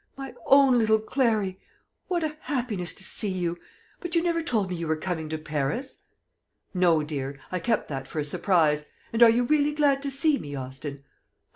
My own little Clary, what a happiness to see you! But you never told me you were coming to Paris." "No, dear, I kept that for a surprise. And are you really glad to see me, Austin?"